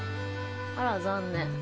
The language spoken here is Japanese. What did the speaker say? あら残念。